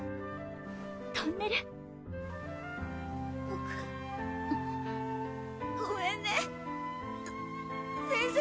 トンネルボクごめんね先生